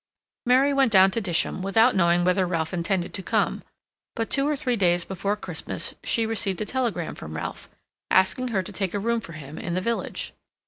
Mary went down to Disham without knowing whether Ralph intended to come; but two or three days before Christmas she received a telegram from Ralph, asking her to take a room for him in the village.